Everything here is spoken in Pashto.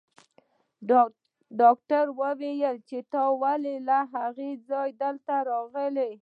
ډاکټر وپوښتل چې ته ولې له هغه ځايه دلته راغلې.